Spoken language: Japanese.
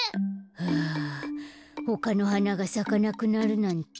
はあほかのはながさかなくなるなんて。